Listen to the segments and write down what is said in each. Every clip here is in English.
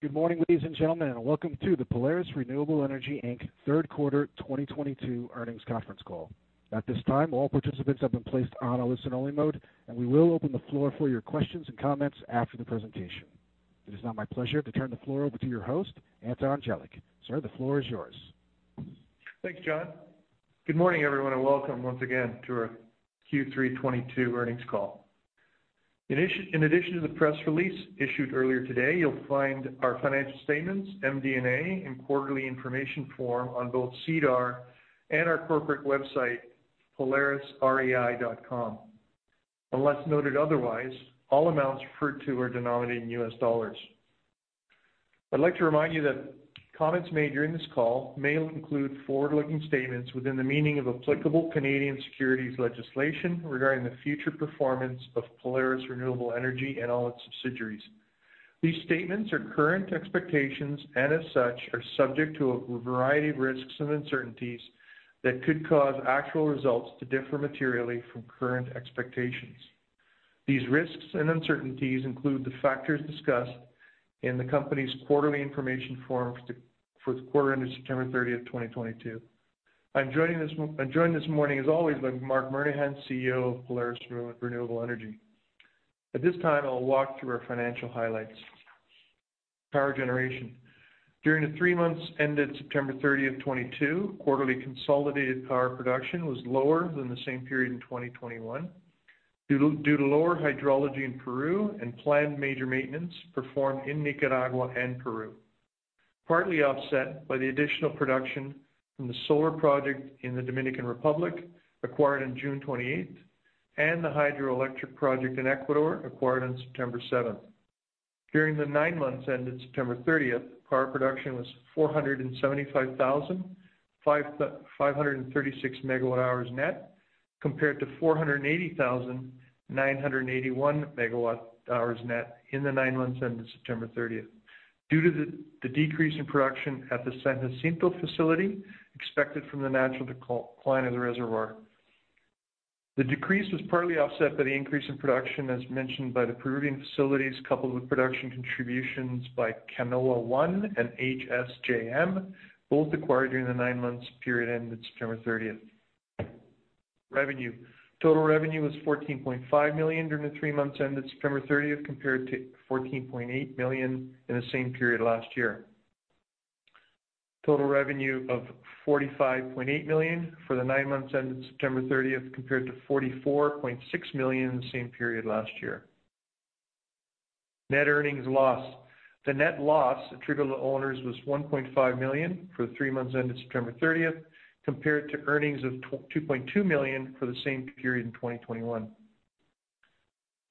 Good morning, ladies and gentlemen, and welcome to the Polaris Renewable Energy Inc. Third Quarter 2022 Earnings Conference Call. At this time, all participants have been placed on a listen-only mode, and we will open the floor for your questions and comments after the presentation. It is now my pleasure to turn the floor over to your host, Anton Jelic. Sir, the floor is yours. Thanks, John. Good morning, everyone, and welcome once again to our Q3 2022 earnings call. In addition to the press release issued earlier today, you'll find our financial statements, MD&A, and quarterly information form on both SEDAR and our corporate website, PolarisREI.com. Unless noted otherwise, all amounts referred to are denominated in US dollars. I'd like to remind you that comments made during this call may include forward-looking statements within the meaning of applicable Canadian securities legislation regarding the future performance of Polaris Renewable Energy and all its subsidiaries. These statements are current expectations, and as such, are subject to a variety of risks and uncertainties that could cause actual results to differ materially from current expectations. These risks and uncertainties include the factors discussed in the company's quarterly information form for the quarter ended September 30, 2022. I'm joined this morning, as always, by Marc Murnaghan, CEO of Polaris Renewable Energy. At this time, I'll walk through our financial highlights. Power generation. During the three months ended September 30, 2022, quarterly consolidated power production was lower than the same period in 2021 due to lower hydrology in Peru and planned major maintenance performed in Nicaragua and Peru, partly offset by the additional production from the solar project in the Dominican Republic acquired on June 28, and the hydroelectric project in Ecuador acquired on September 7. During the nine months ended September 30, power production was 475,536 megawatt-hours net, compared to 480,981 megawatt hours net in the nine months ended September 30. Due to the decrease in production at the San Jacinto facility expected from the natural decline of the reservoir. The decrease was partly offset by the increase in production as mentioned by the Peruvian facilities, coupled with production contributions by Canoa 1 and HSJM, both acquired during the nine months period ended September thirtieth. Revenue. Total revenue was $14.5 million during the three months ended September thirtieth, compared to $14.8 million in the same period last year. Total revenue of $45.8 million for the nine months ended September thirtieth, compared to $44.6 million in the same period last year. Net earnings loss. The net loss attributable to owners was $1.5 million for the three months ended September thirtieth, compared to earnings of $2.2 million for the same period in 2021.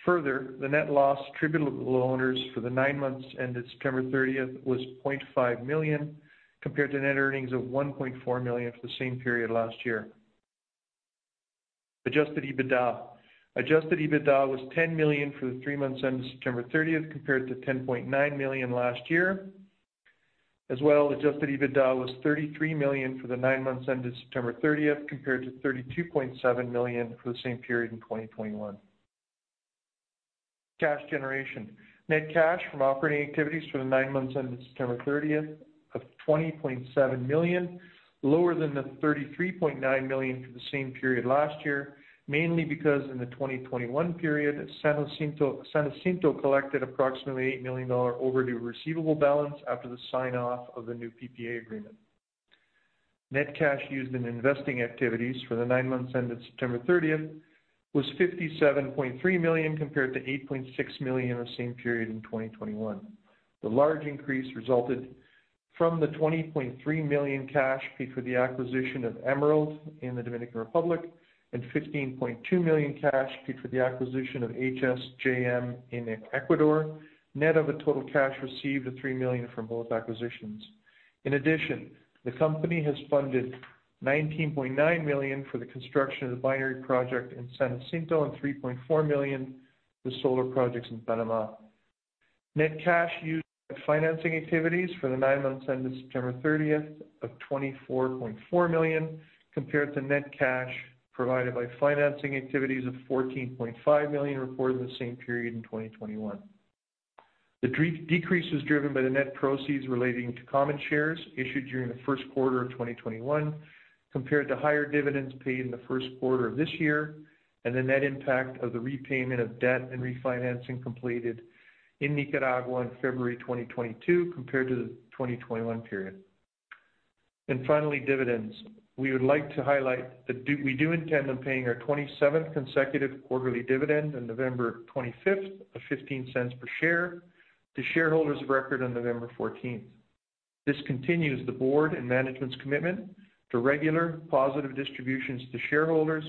Further, the net loss attributable to owners for the nine months ended September 30 was $0.5 million, compared to net earnings of $1.4 million for the same period last year. Adjusted EBITDA. Adjusted EBITDA was $10 million for the three months ended September 30, compared to $10.9 million last year. As well, adjusted EBITDA was $33 million for the nine months ended September 30, compared to $32.7 million for the same period in 2021. Cash generation. Net cash from operating activities for the nine months ended September 30 of $20.7 million, lower than the $33.9 million for the same period last year, mainly because in the 2021 period, San Jacinto collected approximately $8 million-dollar overdue receivable balance after the sign-off of the new PPA agreement. Net cash used in investing activities for the nine months ended September 30 was $57.3 million, compared to $8.6 million in the same period in 2021. The large increase resulted from the $20.3 million cash paid for the acquisition of Emerald in the Dominican Republic and $15.2 million cash paid for the acquisition of HSJM in Ecuador, net of a total cash received of $3 million from both acquisitions. In addition, the company has funded $19.9 million for the construction of the binary project in San Jacinto and $3.4 million for solar projects in Panama. Net cash used in financing activities for the nine months ended September 30 was $24.4 million, compared to net cash provided by financing activities of $14.5 million reported in the same period in 2021. The decrease was driven by the net proceeds relating to common shares issued during the first quarter of 2021, compared to higher dividends paid in the first quarter of this year, and the net impact of the repayment of debt and refinancing completed in Nicaragua in February 2022 compared to the 2021 period. Finally, dividends. We would like to highlight that we do intend on paying our 27th consecutive quarterly dividend on November 25 of $0.15 per share to shareholders of record on November 14. This continues the board and management's commitment to regular positive distributions to shareholders,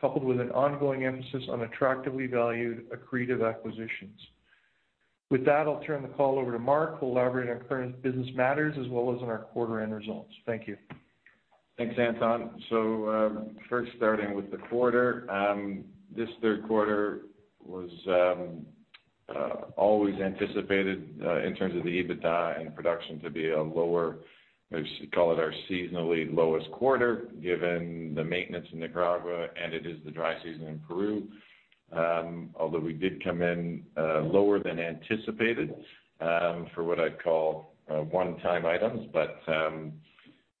coupled with an ongoing emphasis on attractively valued accretive acquisitions. With that, I'll turn the call over to Marc, who'll elaborate on current business matters as well as on our quarter-end results. Thank you. Thanks, Anton. First starting with the quarter, this third quarter was always anticipated in terms of the EBITDA and production to be a lower, maybe call it our seasonally lowest quarter, given the maintenance in Nicaragua, and it is the dry season in Peru. Although we did come in lower than anticipated for what I'd call one-time items.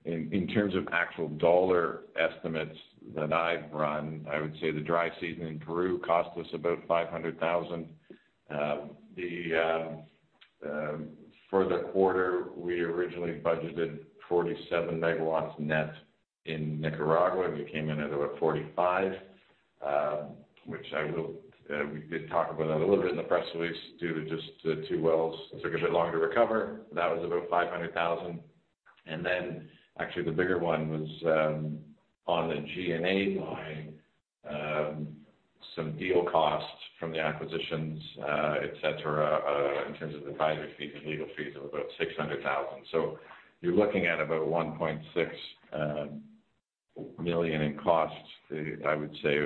In terms of actual dollar estimates that I've run, I would say the dry season in Peru cost us about $500,000. For the quarter, we originally budgeted 47 megawatts net in Nicaragua. We came in at about 45, we did talk about that a little bit in the press release due to just the two wells. It took a bit longer to recover. That was about $500,000. Then actually the bigger one was on the G&A line. Some deal costs from the acquisitions, etc., in terms of the advisory fees and legal fees of about $600,000. You're looking at about $1.6 million in costs. I would say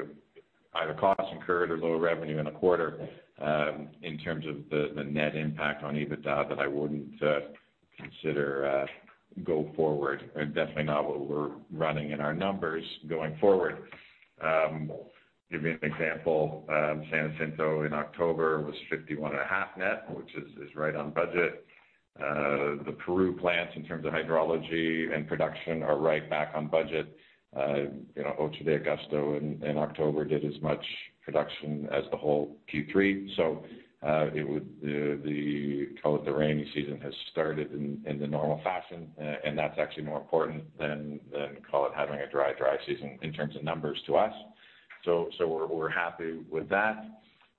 either costs incurred or lower revenue in a quarter in terms of the net impact on EBITDA that I wouldn't consider go forward. Definitely not what we're running in our numbers going forward. Give you an example. San José de Minas in October was 51.5 net, which is right on budget. The Peru plants in terms of hydrology and production are right back on budget. You know, 8 de Agosto in October did as much production as the whole Q3. Call it, the rainy season has started in the normal fashion. That's actually more important than call it having a dry season in terms of numbers to us. We're happy with that.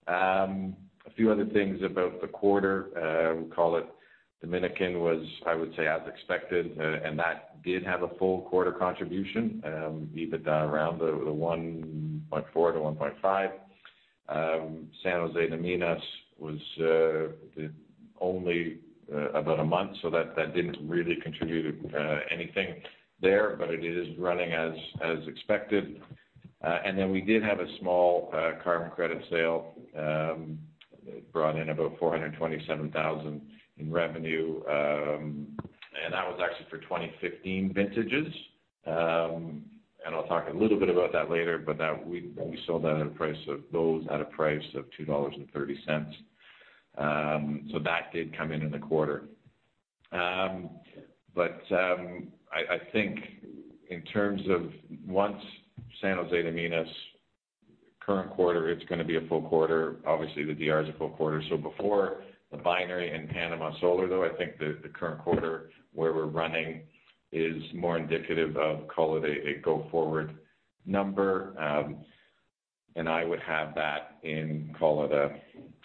A few other things about the quarter, the Dominican was, I would say, as expected, and that did have a full quarter contribution, EBITDA around the $1.4 ot $1.5. San José de Minas was only about a month, so that didn't really contribute anything there, but it is running as expected. Then we did have a small carbon credit sale that brought in about $427,000 in revenue. That was actually for 2015 vintages. I'll talk a little bit about that later, but we sold that at a price of $2.30. That did come in in the quarter. I think in terms of our San José de Minas current quarter, it's gonna be a full quarter. Obviously, the DR is a full quarter. Before the binary and Panama solar, though, I think the current quarter where we're running is more indicative of call it a go-forward number. I would have that in—call it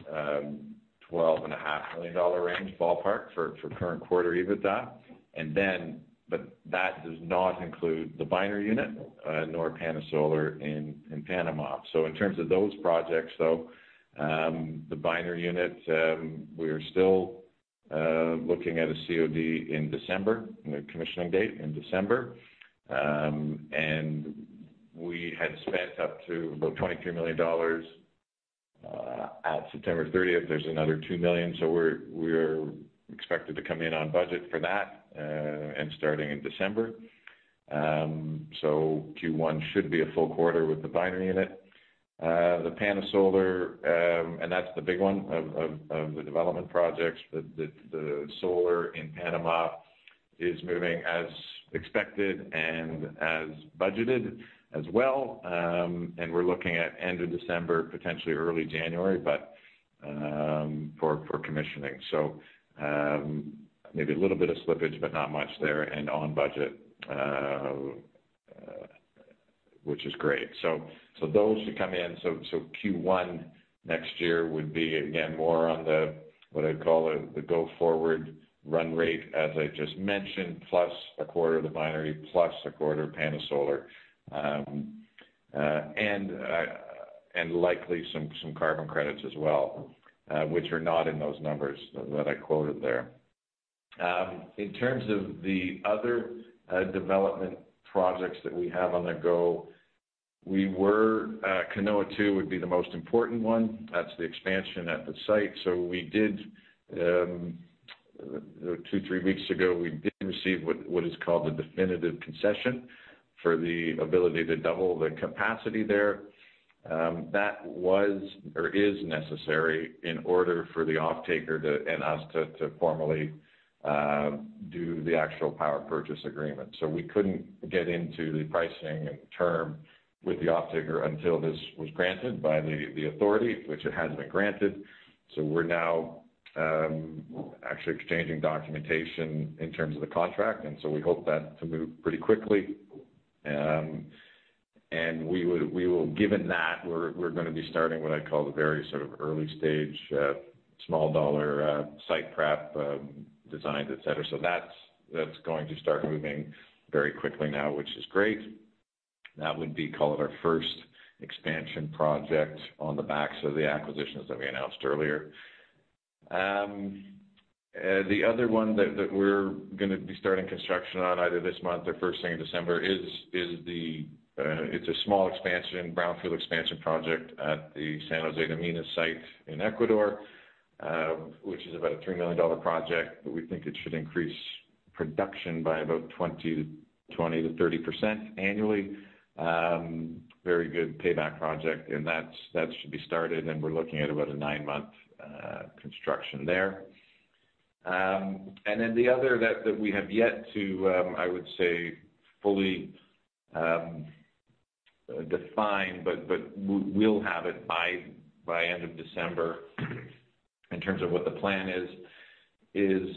a $12.5 million range ballpark for current quarter EBITDA. That does not include the binary unit nor Pana Solar in Panama. In terms of those projects, though, the binary unit we are still looking at a COD in December, the commissioning date in December. We had spent up to about $23 million at September thirtieth. There's another $2 million, so we're expected to come in on budget for that and starting in December. Q1 should be a full quarter with the binary in it. The Pana Solar and that's the big one of the development projects. The solar in Panama is moving as expected and as budgeted as well. We're looking at end of December, potentially early January, but for commissioning. Maybe a little bit of slippage, but not much there and on budget, which is great. Those should come in. Q1 next year would be again more on the what I'd call the go-forward run rate, as I just mentioned, plus a quarter of the binary, plus a quarter of PanaSolar. And likely some carbon credits as well, which are not in those numbers that I quoted there. In terms of the other development projects that we have on the go, Canoa Two would be the most important one. That's the expansion at the site. We did 2-3 weeks ago receive what is called the definitive concession for the ability to double the capacity there. That was or is necessary in order for the offtaker and us to formally do the actual power purchase agreement. We couldn't get into the pricing and term with the offtaker until this was granted by the authority, which it has been granted. We're now actually exchanging documentation in terms of the contract, and we hope to move pretty quickly. We will given that we're gonna be starting what I'd call the very sort of early-stage small-dollar site prep designs, et cetera. That's going to start moving very quickly now, which is great. That would be called our first expansion project on the backs of the acquisitions that we announced earlier. The other one that we're gonna be starting construction on either this month or first thing in December is the small expansion, brownfield expansion project at the San José de Minas site in Ecuador, which is about a $3 million project, but we think it should increase production by about 20%-30% annually. Very good payback project, and that should be started, and we're looking at about a nine-month construction there. The other that we have yet to I would say fully define, but we'll have it by end of December in terms of what the plan is,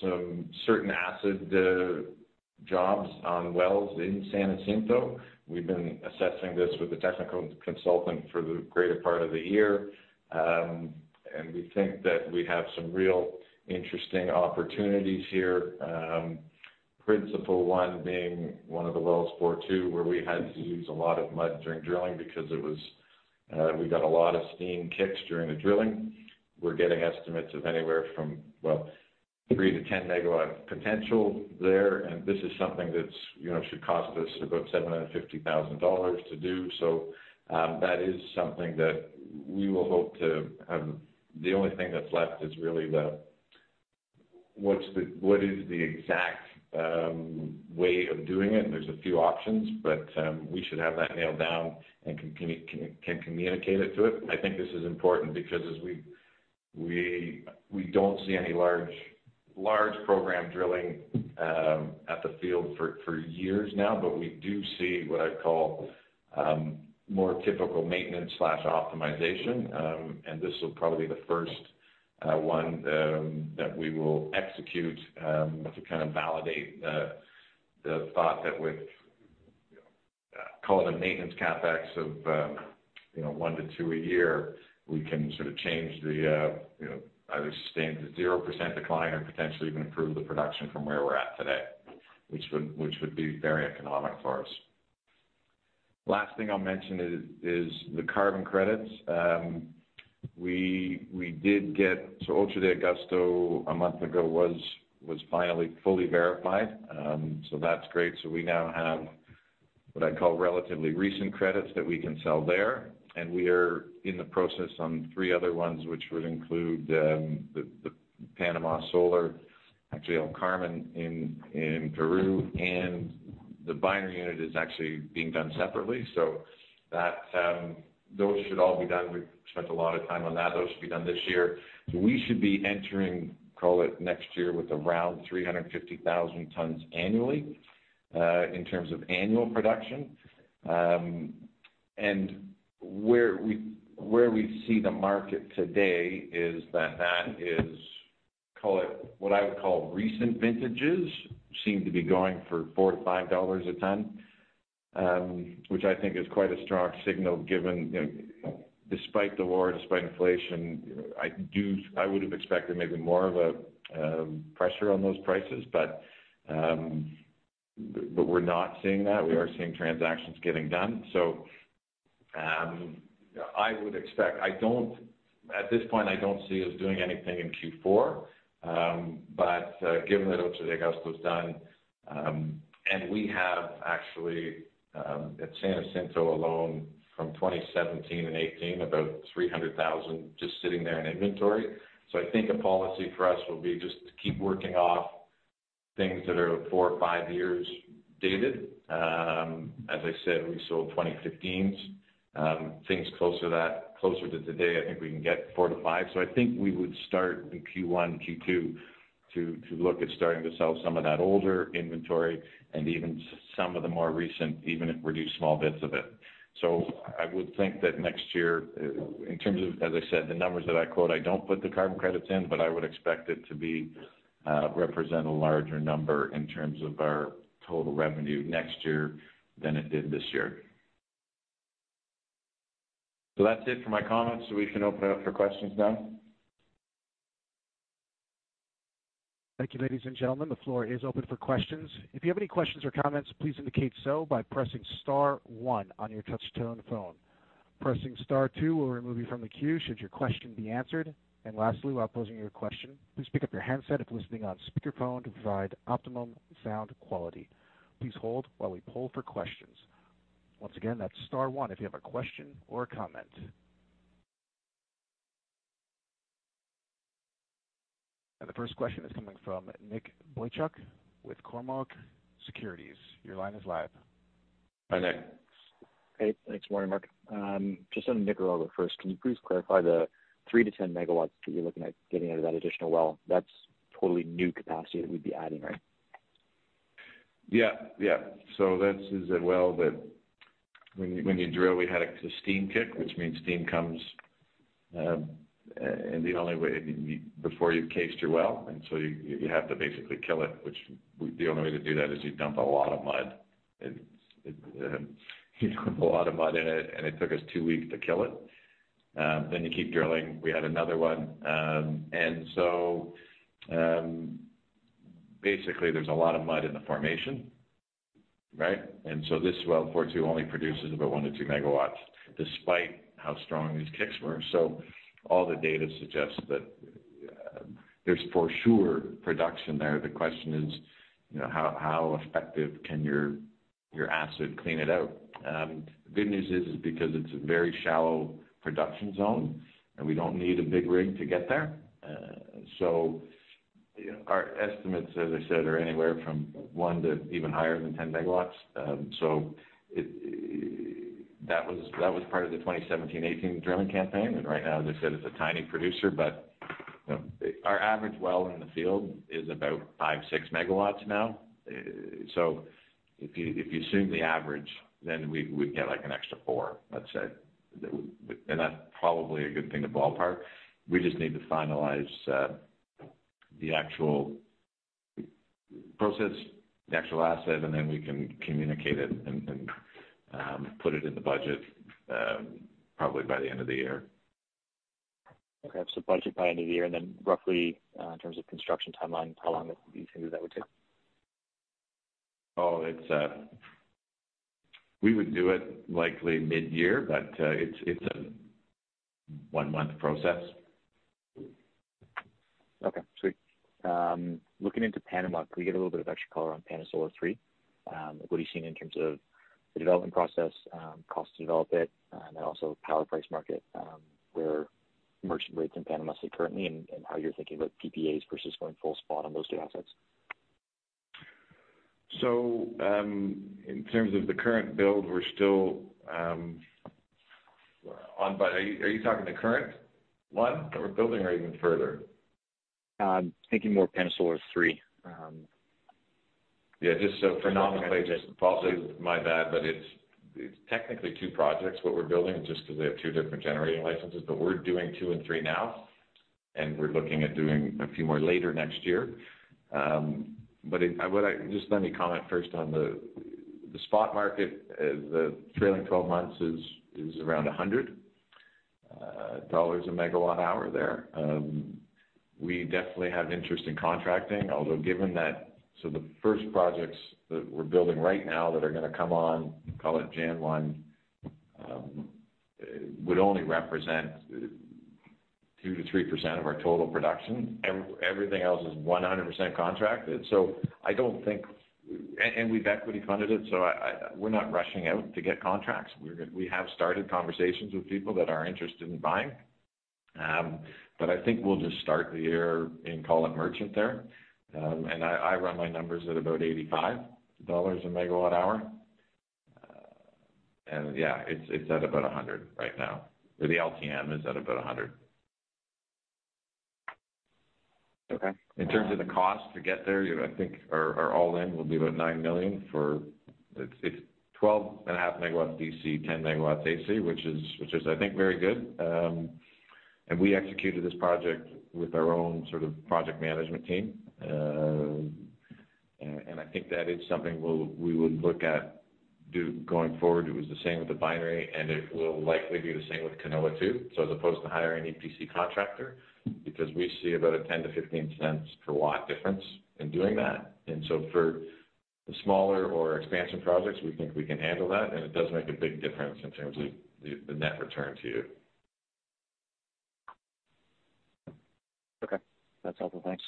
some certain acid jobs on wells in San Jacinto. We've been assessing this with a technical consultant for the greater part of the year. We think that we have some real interesting opportunities here. Principal one being one of the wells, Well Two, where we had to use a lot of mud during drilling because it was we got a lot of steam kicks during the drilling. We're getting estimates of anywhere from 3-10 MW potential there. This is something that's you know should cost us about $750,000 to do. That is something that we will hope to have. The only thing that's left is really what is the exact way of doing it, and there's a few options, but we should have that nailed down and can communicate it to it. I think this is important because as we don't see any large program drilling at the field for years now. We do see what I'd call more typical maintenance/optimization. This will probably be the first one that we will execute to kind of validate the thought that with, call it a maintenance CapEx of, you know, 1-2 a year, we can sort of change the, you know, either sustain the 0% decline or potentially even improve the production from where we're at today, which would be very economic for us. Last thing I'll mention is the carbon credits. We did get. So 8 de Agosto a month ago was finally fully verified, so that's great. We now have what I call relatively recent credits that we can sell there, and we are in the process on three other ones, which would include the Pana Solar, actually El Carmen in Peru, and the binary unit is actually being done separately. Those should all be done. We've spent a lot of time on that. Those should be done this year. We should be entering, call it, next year with around 350,000 tons annually in terms of annual production. Where we see the market today is that that is, call it what I would call recent vintages, seem to be going for $4-$5 a ton, which I think is quite a strong signal given, you know, despite the war, despite inflation, I would have expected maybe more of a pressure on those prices, but we're not seeing that. We are seeing transactions getting done. At this point, I don't see us doing anything in Q4. Given that 8 de Agosto is done, and we have actually, at San Jacinto alone from 2017 and 2018, about 300,000 just sitting there in inventory. I think a policy for us will be just to keep working off things that are four or five years dated. As I said, we sold 2015's. Things closer to today, I think we can get four to five. I think we would start in Q1, Q2 to look at starting to sell some of that older inventory and even some of the more recent, even if we're doing small bits of it. I would think that next year in terms of, as I said, the numbers that I quote, I don't put the carbon credits in, but I would expect it to represent a larger number in terms of our total revenue next year than it did this year. That's it for my comments. We can open it up for questions now. Thank you, ladies and gentlemen. The floor is open for questions. If you have any questions or comments, please indicate so by pressing star one on your touch-tone phone. Pressing star two will remove you from the queue should your question be answered. Lastly, while posing your question, please pick up your handset if listening on speakerphone to provide optimum sound quality. Please hold while we poll for questions. Once again, that's star one if you have a question or a comment. The first question is coming from Nick Boychuk with Cormark Securities. Your line is live. Hi, Nick. Hey, thanks. Morning, Marc. Just on Nicaragua first, can you please clarify the 3-10 MW that you're looking at getting out of that additional well? That's totally new capacity that we'd be adding, right? Yeah. Yeah. This is a well that when you drill, we had a steam kick, which means steam comes, and the only way before you've cased your well, you have to basically kill it. The only way to do that is you dump a lot of mud in it, and it took us 2 weeks to kill it. Then you keep drilling. We had another one. Basically, there's a lot of mud in the formation, right? This well two only produces about 1-2 MW despite how strong these kicks were. All the data suggests that there's for sure production there. The question is, you know, how effective can your acid clean it out. The good news is because it's a very shallow production zone, and we don't need a big rig to get there. Our estimates, as I said, are anywhere from 1 to even higher than 10 megawatts. That was part of the 2017-2018 drilling campaign. Right now, as I said, it's a tiny producer, but, you know, our average well in the field is about 5, 6 megawatts now. If you assume the average, then we get, like, an extra 4, let's say. That's probably a good thing to ballpark. We just need to finalize the actual process, the actual asset, and then we can communicate it and put it in the budget, probably by the end of the year. Okay. Budget by end of the year, and then roughly in terms of construction timeline, how long do you think that would take? We would do it likely midyear, but it's a one-month process. Okay, sweet. Looking into Panama, can we get a little bit of extra color on Pana Solar Three? What are you seeing in terms of the development process, cost to develop it, and then also power price market, where merchant rates in Panama sit currently and how you're thinking about PPAs versus going full spot on those two assets. In terms of the current build. Are you talking the current one that we're building or even further? I'm thinking more Pana Solar Three. Yeah, just so fundamentally, just basically, my bad, but it's technically 2 projects what we're building just because they have 2 different generation licenses. We're doing 2 and 3 now, and we're looking at doing a few more later next year. Just let me comment first on the spot market. The trailing twelve months is around 100 dollars a megawatt hour there. We definitely have interest in contracting, although given that the first projects that we're building right now that are gonna come on, call it January 1, would only represent 2%-3% of our total production. Everything else is 100% contracted. I don't think. And we've equity funded it, so we're not rushing out to get contracts. We have started conversations with people that are interested in buying. I think we'll just start the year and call it merchant there. I run my numbers at about $85 a megawatt hour. Yeah, it's at about $100 right now, or the LTM is at about $100. Okay. In terms of the cost to get there, I think our all-in will be about $9 million. It's 12.5 megawatts DC, 10 megawatts AC, which is I think very good. We executed this project with our own sort of project management team. I think that is something we would look at do going forward. It was the same with the binary, and it will likely be the same with Canoa, too. As opposed to hiring an EPC contractor, because we see about a $0.10-$0.15 per watt difference in doing that. For the smaller or expansion projects, we think we can handle that, and it does make a big difference in terms of the net return to you. Okay, that's helpful. Thanks.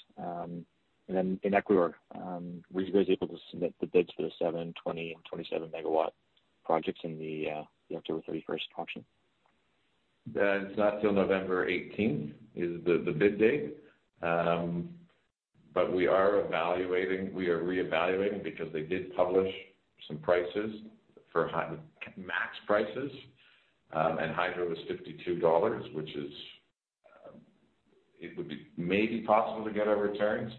In Ecuador, were you guys able to submit the bids for the 7, 20, and 27 MW projects in the October 31st auction? That's not till November eighteenth is the bid date. We are reevaluating because they did publish some prices for high-max prices. Hydro is $52. It would be maybe possible to get our returns.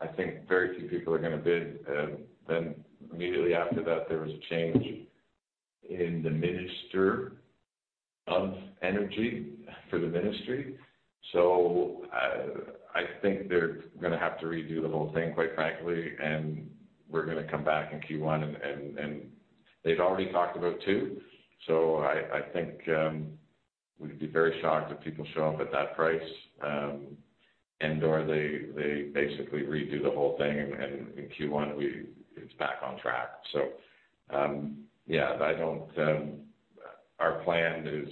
I think very few people are gonna bid. Immediately after that, there was a change in the minister of energy for the ministry. I think they're gonna have to redo the whole thing, quite frankly, and we're gonna come back in Q1. They've already talked about two. I think we'd be very shocked if people show up at that price. And/or they basically redo the whole thing and in Q1 it's back on track. Yeah, I don't. Our plan is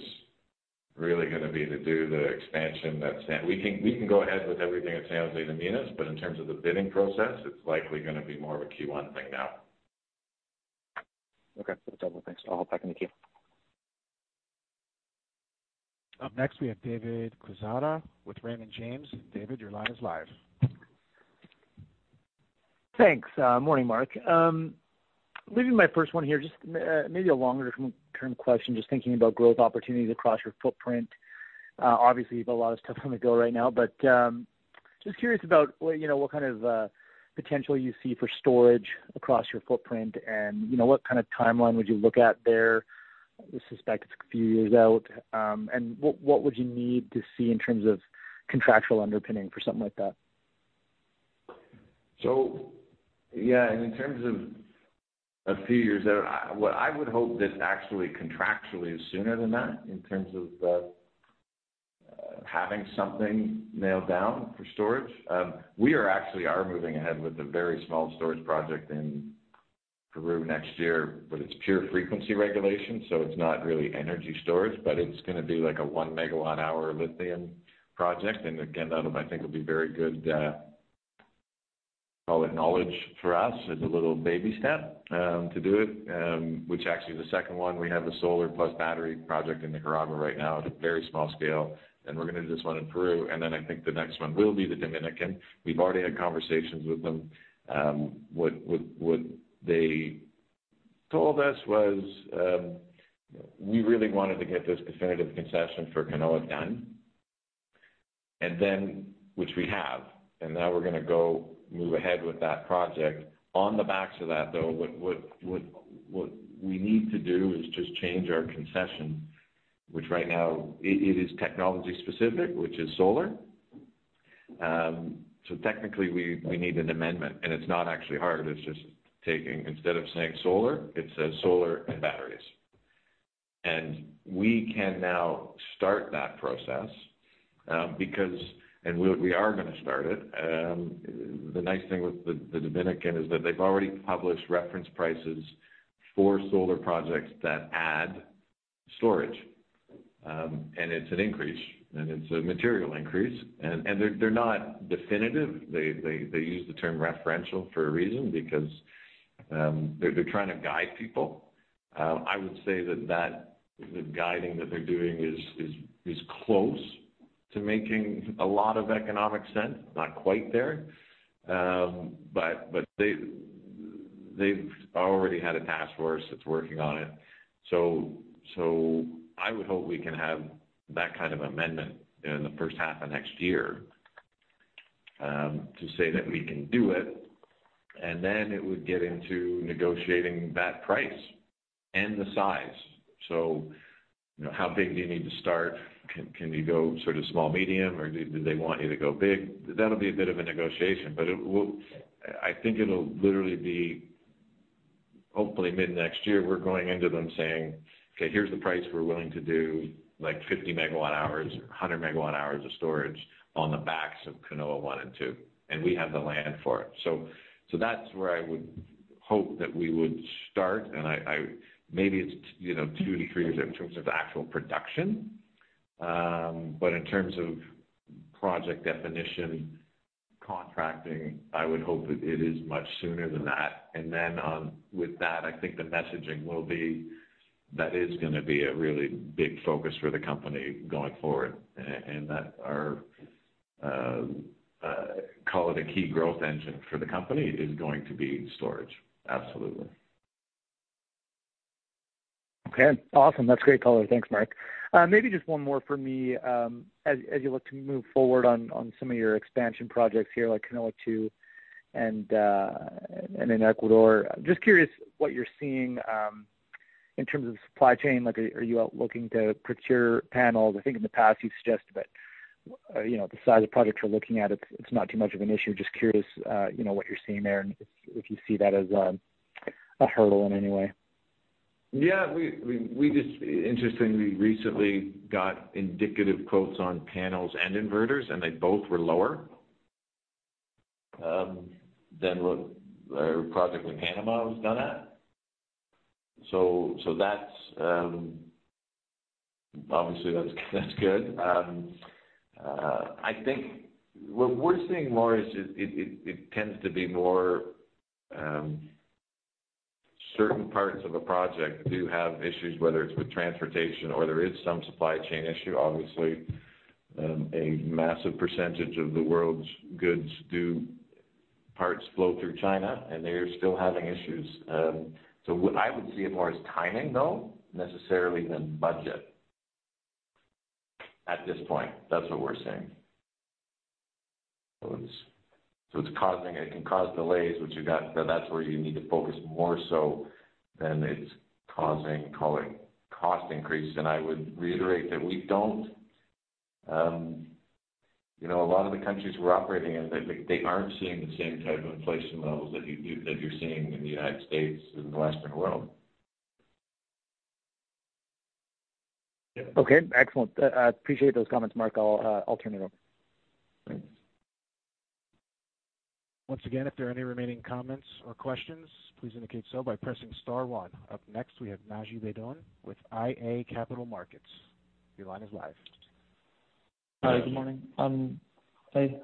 really gonna be to do the expansion. We can go ahead with everything at San José de Minas, but in terms of the bidding process, it's likely gonna be more of a Q1 thing now. Okay. That's helpful. Thanks. I'll hop back in the queue. Up next, we have David Quezada with Raymond James. David, your line is live. Thanks. Morning, Marc. Maybe my first one here, just maybe a longer term question, just thinking about growth opportunities across your footprint. Obviously, you've a lot of stuff on the go right now. But just curious about what, you know, what kind of potential you see for storage across your footprint and, you know, what kind of timeline would you look at there? I suspect it's a few years out. And what would you need to see in terms of contractual underpinning for something like that? Yeah, in terms of a few years out, what I would hope that actually contractually is sooner than that in terms of having something nailed down for storage. We are actually moving ahead with a very small storage project in Peru next year, but it's pure frequency regulation, so it's not really energy storage, but it's gonna be like a 1 MWh lithium project. Again, that'll, I think, will be very good. Call it knowledge for us. It's a little baby step to do it, which actually the second one, we have a solar plus battery project in Nicaragua right now at a very small scale. We're gonna do this one in Peru, and then I think the next one will be the Dominican. We've already had conversations with them. What they told us was, we really wanted to get this definitive concession for Canoa done, which we have, and now we're gonna go move ahead with that project. On the backs of that, though, what we need to do is just change our concession, which right now it is technology specific, which is solar. Technically we need an amendment. It's not actually hard, it's just taking instead of saying solar, it says solar and batteries. We can now start that process, because we are gonna start it. The nice thing with the Dominican is that they've already published reference prices for solar projects that add storage. It's an increase, and it's a material increase. They're not definitive. They use the term preferential for a reason because they're trying to guide people. I would say that the guiding that they're doing is close to making a lot of economic sense. Not quite there. They've already had a task force that's working on it. I would hope we can have that kind of amendment in the first half of next year to say that we can do it. It would get into negotiating that price and the size. You know, how big do you need to start? Can you go sort of small-medium, or do they want you to go big? That'll be a bit of a negotiation, but it will. I think it'll literally be hopefully mid-next year, we're going into them saying, "Okay, here's the price we're willing to do, like 50 megawatt hours, 100 megawatt hours of storage on the backs of Canoa 1 and 2, and we have the land for it." That's where I would hope that we would start. Maybe it's, you know, 2-3 years in terms of the actual production. In terms of project definition contracting, I would hope it is much sooner than that. With that, I think the messaging will be that is gonna be a really big focus for the company going forward. And that our call it a key growth engine for the company is going to be storage. Absolutely. Okay. Awesome. That's great color. Thanks, Mark. Maybe just one more for me. As you look to move forward on some of your expansion projects here, like Canoa 2 and in Ecuador, just curious what you're seeing in terms of supply chain. Like, are you out looking to procure panels? I think in the past you've suggested that you know, the size of projects you're looking at, it's not too much of an issue. Just curious you know, what you're seeing there and if you see that as a hurdle in any way. We just, interestingly, recently got indicative quotes on panels and inverters, and they both were lower than what our project in Panama was done at. That's obviously good. I think what we're seeing more is it tends to be more certain parts of a project do have issues, whether it's with transportation or there is some supply chain issue. Obviously, a massive percentage of the world's goods and parts flow through China, and they are still having issues. What I would see it more as timing though, necessarily than budget at this point. That's what we're seeing. It can cause delays. That's where you need to focus more so than it's causing, call it, cost increase. I would reiterate that we don't. You know, a lot of the countries we're operating in, they aren't seeing the same type of inflation levels that you're seeing in the United States and the Western world. Okay. Excellent. Appreciate those comments, Marc. I'll turn it over. Thanks. Once again, if there are any remaining comments or questions, please indicate so by pressing star one. Up next, we have Naji Baydoun with iA Capital Markets. Your line is live. Hi. Good morning. Hey,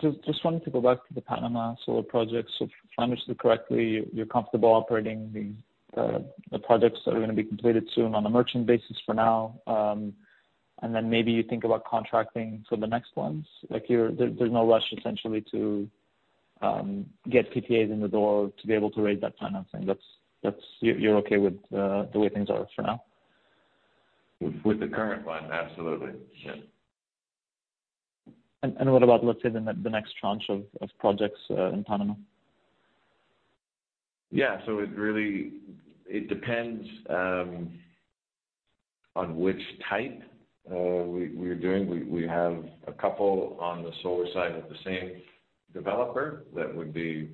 just wanted to go back to the Panama solar projects. If I understood correctly, you're comfortable operating the projects that are gonna be completed soon on a merchant basis for now. Then maybe you think about contracting for the next ones. Like, you're. There's no rush essentially to get PPAs in the door to be able to raise that financing. That's. You're okay with the way things are for now. With the current ones, absolutely. Yeah. What about, let's say, the next tranche of projects in Panama? Yeah. It really depends on which type we're doing. We have a couple on the solar side with the same developer that we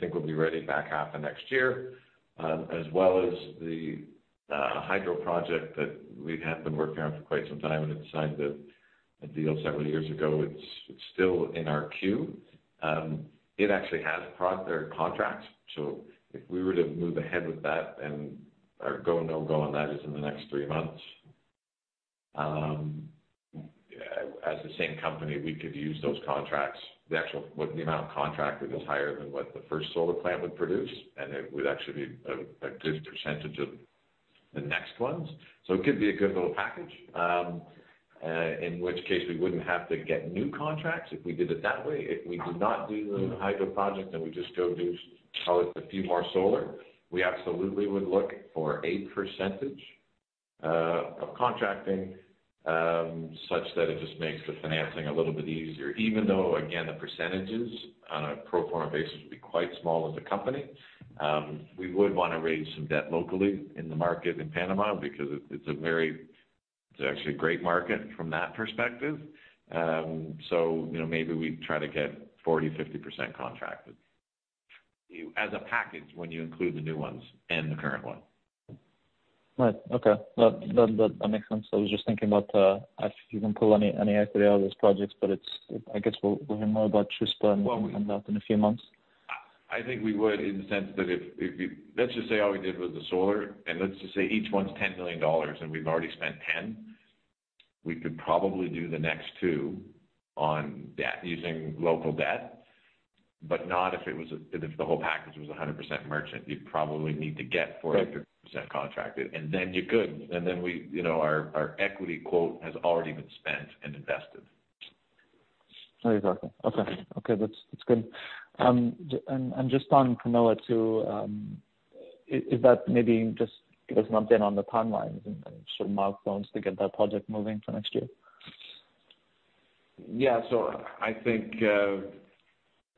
think will be ready back half of next year, as well as the hydro project that we've been working on for quite some time, and had signed a deal several years ago. It's still in our queue. It actually has their contracts. If we were to move ahead with that and go no-go on that is in the next three months, as the same company, we could use those contracts. The amount of contract that is higher than what the first solar plant would produce, and it would actually be a good percentage of the next ones. It could be a good little package, in which case we wouldn't have to get new contracts if we did it that way. If we do not do the hydro project, and we just go do, call it a few more solar, we absolutely would look for a percentage of contracting such that it just makes the financing a little bit easier, even though, again, the percentages on a pro forma basis would be quite small as a company. We would wanna raise some debt locally in the market in Panama because it is actually a great market from that perspective. You know, maybe we'd try to get 40%-50% contracted as a package when you include the new ones and the current one. Right. Okay. That makes sense. I was just thinking about if you can pull any equity out of those projects, but I guess we'll hear more about Chuspa and that in a few months. I think we would in the sense that. Let's just say all we did was the solar, and let's just say each one's $10 million and we've already spent $10 million, we could probably do the next 2 on debt using local debt, but not if it was a. If the whole package was 100% merchant. You'd probably need to get 40% contracted, and then you could. We, you know, our equity quote has already been spent and invested. Oh, exactly. Okay. That's good. Just on Canoa, too, is that maybe just give us an update on the timeline and sort of milestones to get that project moving for next year. Yeah. I think, as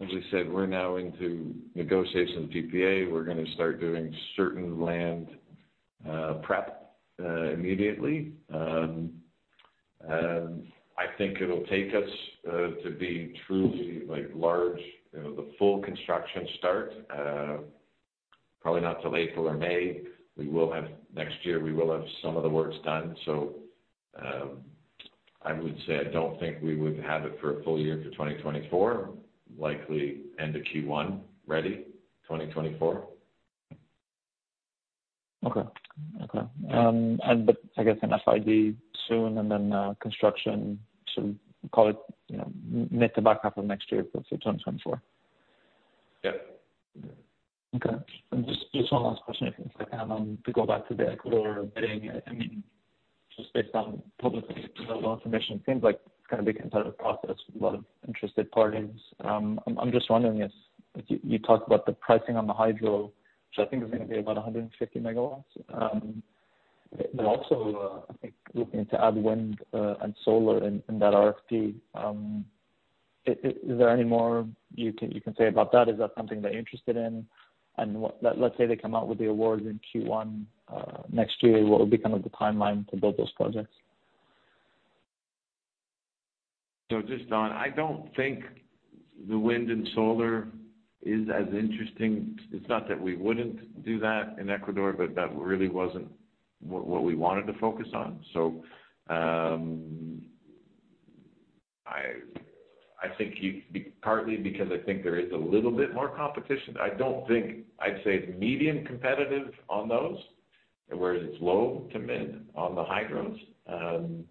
we said, we're now into negotiations with PPA. We're gonna start doing certain land prep immediately. I think it'll take us to be truly, like, large, you know, the full construction start probably not till April or May. Next year we will have some of the works done, so I would say I don't think we would have it for a full year for 2024, likely end of Q1 ready, 2024. I guess an FID soon and then construction, call it, you know, mid to back half of next year for 2024. Yeah. Okay. Just one last question, if I can, to go back to the Ecuador bidding. I mean, just based on publicly available information, it seems like it's gonna be competitive process with a lot of interested parties. I'm just wondering if you talked about the pricing on the hydro, which I think is gonna be about 150 megawatts. Also, I think looking to add wind and solar in that RFP. Is there any more you can say about that? Is that something they're interested in? What? Let's say they come out with the awards in Q1 next year. What would be kind of the timeline to build those projects? Just on. I don't think the wind and solar is as interesting. It's not that we wouldn't do that in Ecuador, but that really wasn't what we wanted to focus on. I think partly because I think there is a little bit more competition, I don't think I'd say it's medium competitive on those, whereas it's low to mid on the hydros.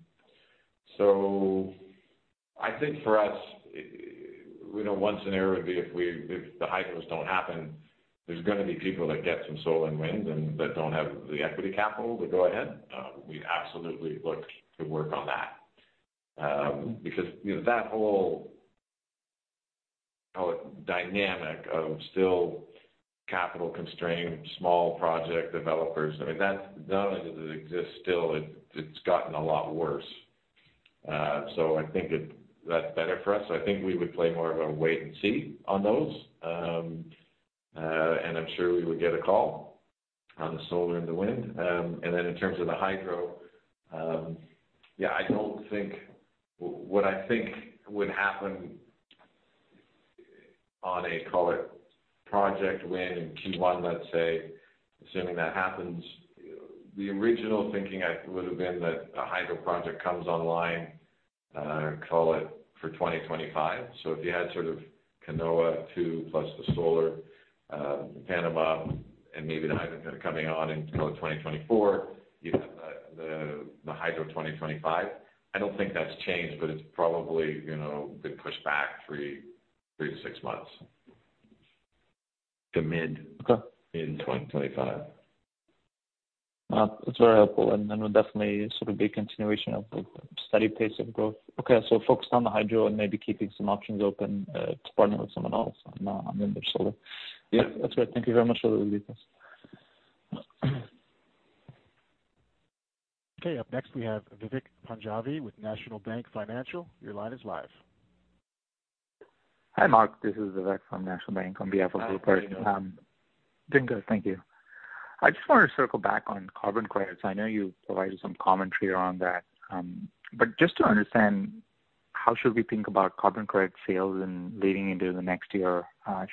I think for us, you know, one scenario would be if the hydros don't happen, there's gonna be people that get some solar and wind and that don't have the equity capital to go ahead. We'd absolutely look to work on that. Because, you know, that whole, call it dynamic of still capital-constrained small project developers, I mean, that's not only does it exist still, it's gotten a lot worse. I think that's better for us. I think we would play more of a wait and see on those. I'm sure we would get a call on the solar and the wind. In terms of the hydro, I don't think what I think would happen on a call it project win in Q1, let's say, assuming that happens, the original thinking would have been that a hydro project comes online, call it for 2025. If you had sort of Canoa 2 plus the solar Panama and maybe the hydro kind of coming on in, call it 2024, you have the hydro 2025. I don't think that's changed, but it's probably, you know, been pushed back three to six months to mid- Okay. Mid-2025. That's very helpful, and then we'll definitely sort of be a continuation of the steady pace of growth. Okay. Focused on the hydro and maybe keeping some options open, to partner with someone else on wind or solar. Yeah. That's great. Thank you very much for the update. Okay. Up next, we have Vivek Punjabi with National Bank Financial. Your line is live. Hi, Marc. This is Vivek from National Bank on behalf of Rupert Merer. Hi, Vivek. Doing good. Thank you. I just wanted to circle back on carbon credits. I know you provided some commentary on that. But just to understand, how should we think about carbon credit sales in leading into the next year?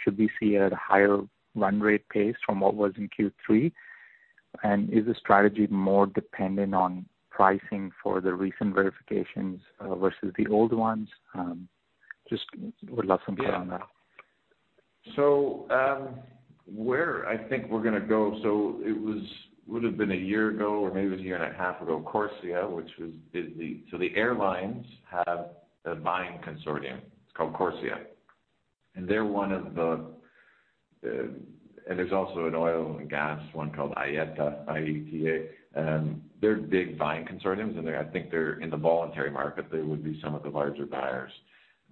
Should we see a higher run rate pace from what was in Q3? And is the strategy more dependent on pricing for the recent verifications versus the old ones? Just would love some color on that. It was a year ago or maybe a year and a half ago. CORSIA, which is the airlines' buying consortium. It's called CORSIA. They're one of the larger ones. There's also an oil and gas one called IETA. They're big buying consortiums. I think they're in the voluntary market. They would be some of the larger buyers.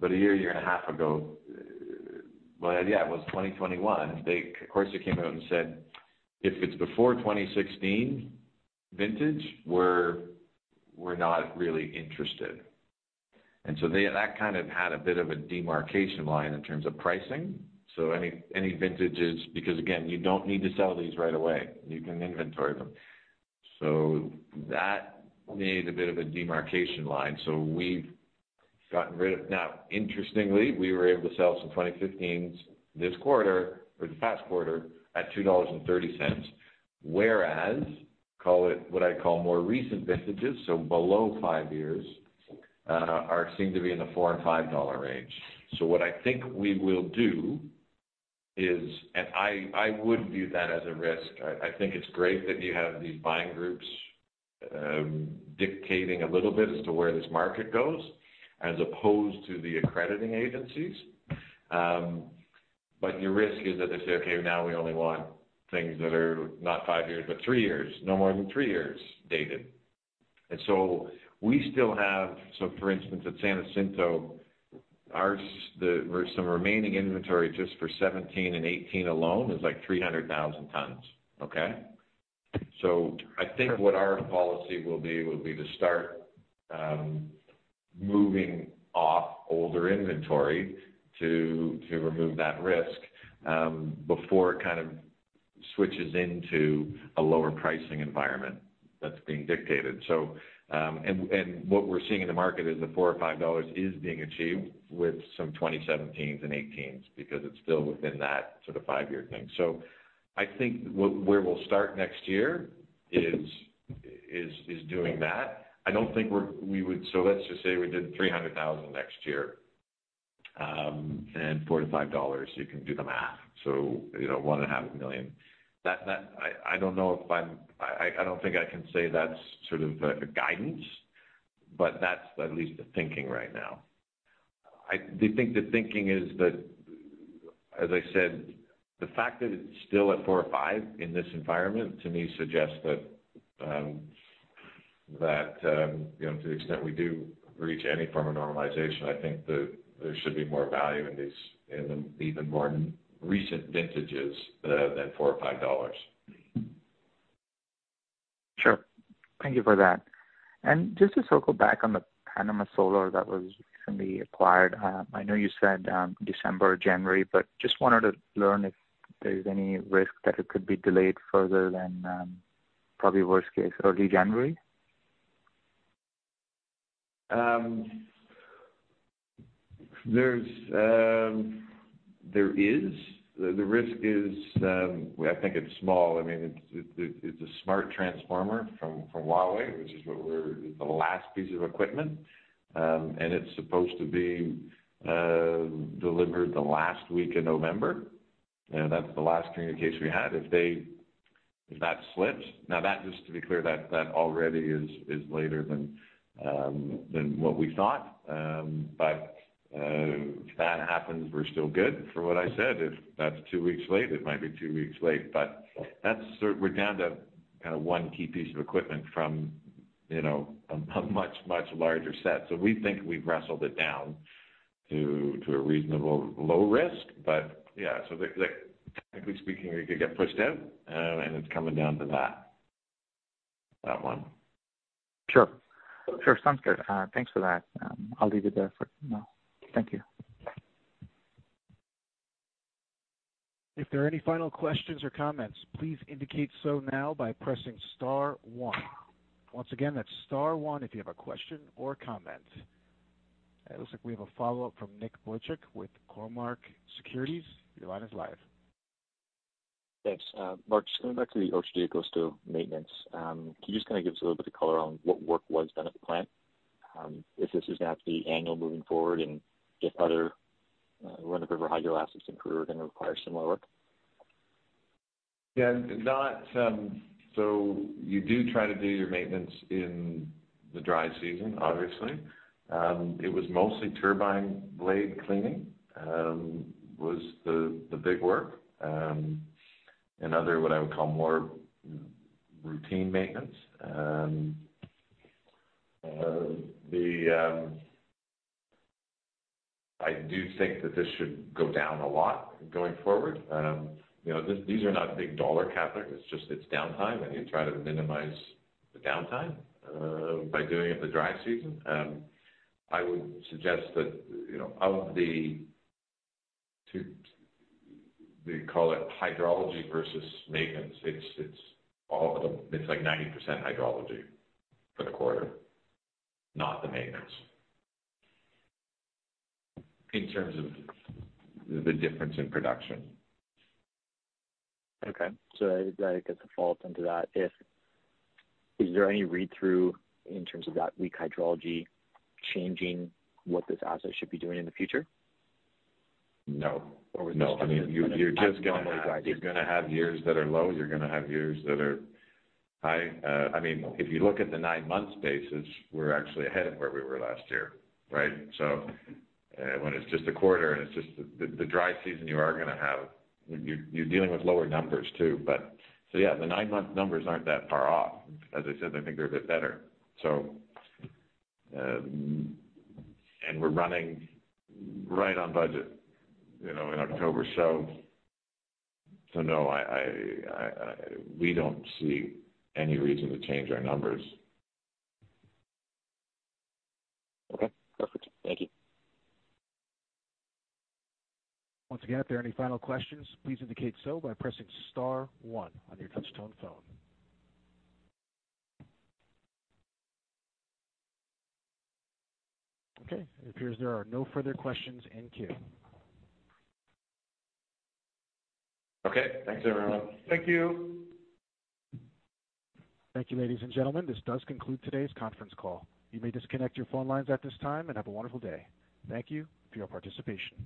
A year and a half ago, well, yeah, it was 2021. CORSIA came out and said, "If it's before 2016 vintage, we're not really interested." That kind of had a bit of a demarcation line in terms of pricing. Any vintages, because, again, you don't need to sell these right away. You can inventory them. That made a bit of a demarcation line. We've gotten rid of. Now, interestingly, we were able to sell some 2015s this quarter or the past quarter at $2.30, whereas call it what I call more recent vintages, so below 5 years, are seem to be in the $4-$5 range. What I think we will do is. I would view that as a risk. I think it's great that you have these buying groups dictating a little bit as to where this market goes, as opposed to the accrediting agencies. Your risk is that they say, "Okay, now we only want things that are not 5 years, but 3 years. No more than three years dated." We still have, so for instance, at San Jacinto, some remaining inventory just for 2017 and 2018 alone is like 300,000 tons. Okay? I think what our policy will be is to start moving off older inventory to remove that risk before it kind of switches into a lower pricing environment that's being dictated. And what we're seeing in the market is the $4 or $5 is being achieved with some 2017s and 2018s because it's still within that sort of five-year thing. I think where we'll start next year is doing that. I don't think we would. Let's just say we did 300,000 next year and $4-$5, you can do the math. You know, $1.5 million. That, I don't know if I'm, I don't think I can say that's sort of a guidance, but that's at least the thinking right now. I do think the thinking is that, as I said, the fact that it's still at 4 or 5 in this environment to me suggests that, you know, to the extent we do reach any form of normalization, I think that there should be more value in these, in the even more recent vintages that have that $4 or $5. Sure. Thank you for that. Just to circle back on the Panama solar that was recently acquired, I know you said December or January, but just wanted to learn if there's any risk that it could be delayed further than probably worst case early January. The risk is, well, I think it's small. I mean, it's a smart transformer from Huawei, which is the last piece of equipment. It's supposed to be delivered the last week in November. That's the last communication we had. If that slips. Now, that just to be clear, that already is later than what we thought. If that happens, we're still good. From what I said, if that's two weeks late, it might be two weeks late. We're down to kinda one key piece of equipment from, you know, a much larger set. We think we've wrestled it down to a reasonable low risk. Yeah, so technically speaking, it could get pushed out, and it's coming down to that one. Sure. Sounds good. Thanks for that. I'll leave it there for now. Thank you. If there are any final questions or comments, please indicate so now by pressing star one. Once again, that's star one if you have a question or comment. It looks like we have a follow-up from Nick Boychuk with Cormark Securities. Your line is live. Thanks. Marc, just coming back to the 8 de Agosto maintenance, can you just kinda give us a little bit of color on what work was done at the plant? If this is gonna have to be annual moving forward and if other Run-of-the-river hydro assets in Peru are gonna require similar work? You do try to do your maintenance in the dry season, obviously. It was mostly turbine blade cleaning, was the big work, and other, what I would call more routine maintenance. I do think that this should go down a lot going forward. You know, these are not big dollar capital. It's just downtime, and you try to minimize the downtime by doing it in the dry season. I would suggest that, you know, of the two, do you call it hydrology versus maintenance? It's like 90% hydrology for the quarter, not the maintenance in terms of the difference in production. Okay. I guess a follow-up into that. Is there any read-through in terms of that weak hydrology changing what this asset should be doing in the future? No. Or was this- No. I mean, you're gonna have years that are low, you're gonna have years that are high. I mean, if you look at the nine-month basis, we're actually ahead of where we were last year, right? When it's just a quarter and it's just the dry season, you're dealing with lower numbers too, but yeah, the nine-month numbers aren't that far off. As I said, I think they're a bit better. And we're running right on budget, you know, in October. No, we don't see any reason to change our numbers. Okay. Perfect. Thank you. Once again, if there are any final questions, please indicate so by pressing star one on your touch tone phone. Okay. It appears there are no further questions in queue. Okay. Thanks, everyone. Thank you. Thank you, ladies and gentlemen. This does conclude today's conference call. You may disconnect your phone lines at this time and have a wonderful day. Thank you for your participation.